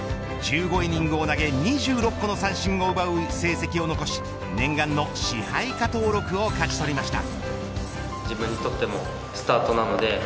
１５イニングを投げ２６個の三振を奪う成績を残し念願の支配下登録を勝ち取りました。